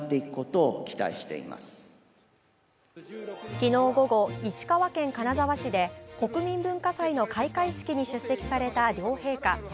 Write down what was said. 昨日午後、石川県金沢市で国民文化祭の開会式に出席された両陛下。